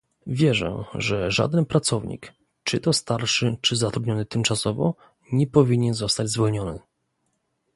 Wierzę, że żaden pracownik, czy to starszy, czy zatrudniony tymczasowo, nie powinien zostać zwolniony